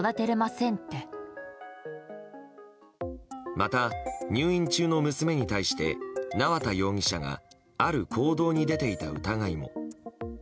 また入院中の娘に対して縄田容疑者がある行動に出ていた疑いも。